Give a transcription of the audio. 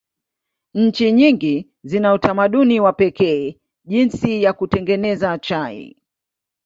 Nchi nyingi zina utamaduni wa pekee jinsi ya kutengeneza chai.